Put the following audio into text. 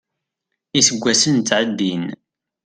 Iseggasen ttɛeddin.